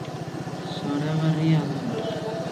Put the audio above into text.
Zoragarria da.